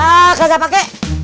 ah nggak usah pakai